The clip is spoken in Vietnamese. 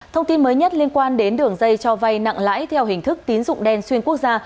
thông tin mới nhất liên quan đến đường dây cho vay nặng lãi theo hình thức tín dụng đen xuyên quốc gia